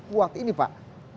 kuat ini pak